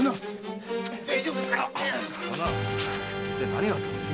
何があったんで？